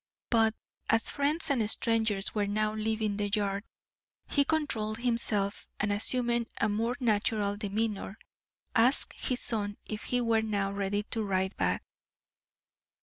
But as friends and strangers were now leaving the yard, he controlled himself, and assuming a more natural demeanour, asked his son if he were now ready to ride back.